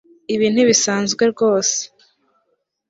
Ibi ntibisanzwe rwose